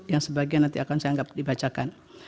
yang sebagian nanti akan saya anggap dibacakan